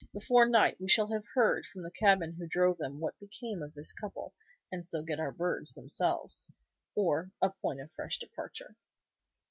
Before night we shall have heard from the cabman who drove them what became of this couple, and so get our birds themselves, or a point of fresh departure."